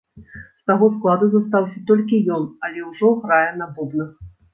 З таго складу застаўся толькі ён, але ўжо грае на бубнах.